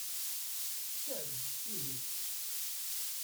Tter-d, ihi!